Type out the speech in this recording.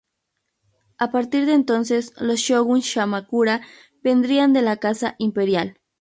A partir de entonces, los shogun Kamakura vendrían de la Casa Imperial.